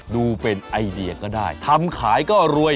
ดูเป็นไอเดียก็ได้ทำขายก็รวย